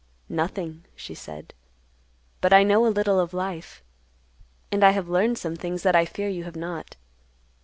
"Nothing," she said. "But I know a little of life. And I have learned some things that I fear you have not.